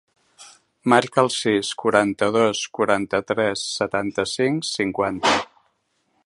Marca el sis, quaranta-dos, quaranta-tres, setanta-cinc, cinquanta.